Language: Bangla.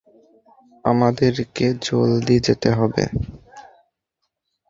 আমাদেরকে জলদি যেতে হবে।